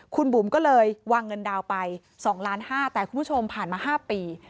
คุณบุ๋มก็เลยวางเงินดาวน์ไป๒ล้าน๕แต่คุณผู้ชมผ่านมา๕ปี